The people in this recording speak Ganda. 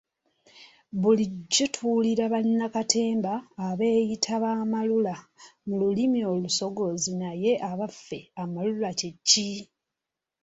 Bulijjo tuwulira bannakatemba abeeyita ba 'amalula' mu lulimi olusogozi naye abaffe amalula kye ki?